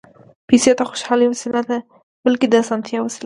پېسې د خوشالۍ وسیله نه ده، بلکې د اسانتیا وسیله ده.